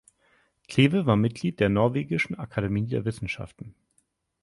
Kleve war Mitglied der Norwegischen Akademie der Wissenschaften.